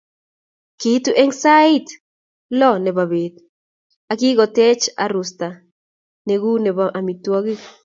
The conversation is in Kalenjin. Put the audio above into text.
Kiitu eng sait lo nebo bet akokitachech arusta nenguu nebo amitwogik